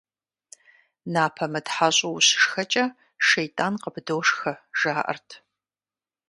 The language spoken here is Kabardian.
Напэ мытхьэщӀу ущышхэкӏэ, щейтӀан къыбдошхэ, жаӀэрт.